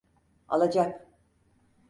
Alacak.